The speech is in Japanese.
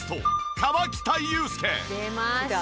出ました。